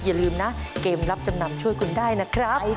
อย่าลืมนะเกมรับจำนำช่วยคุณได้นะครับ